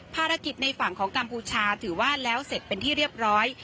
ภารกิจในฝั่งของกัมพูชาถือว่าแล้วเสร็จเป็นที่เรียบร้อย